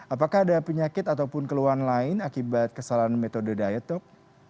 apakah ada penyakit ataupun keluhan lain akibat kesalahan metode diet dok